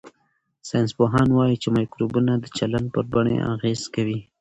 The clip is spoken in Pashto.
ساینسپوهان وايي چې مایکروبونه د چلند پر بڼې اغېز کوي.